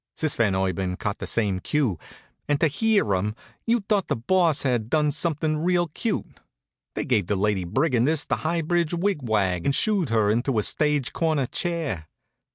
Sis Van Urban caught the same cue, and to hear 'em you'd thought the Boss had done something real cute. They gave the Lady Brigandess the High Bridge wig wag and shooed her into a stage corner chair.